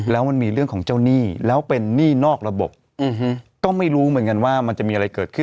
แล้วมันมีเรื่องของเจ้าหนี้แล้วเป็นหนี้นอกระบบก็ไม่รู้เหมือนกันว่ามันจะมีอะไรเกิดขึ้น